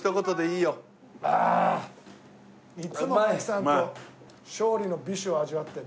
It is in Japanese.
いつも槙さんと勝利の美酒を味わってるな。